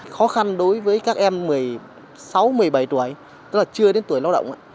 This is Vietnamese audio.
khó khăn đối với các em một mươi sáu một mươi bảy tuổi tức là chưa đến tuổi lao động